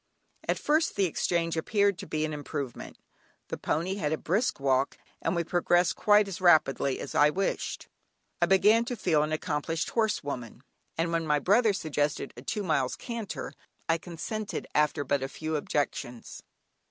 At first the exchange appeared to be an improvement. The pony had a brisk walk, and we progressed quite as rapidly as I wished. I began to feel an accomplished horse woman, and when my brother suggested a two miles canter, I consented after but a few objections.